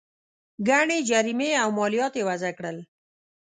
ګڼې جریمې او مالیات یې وضعه کړل.